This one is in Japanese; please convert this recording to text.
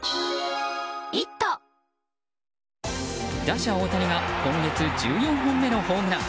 打者・大谷が今月１４本目のホームラン。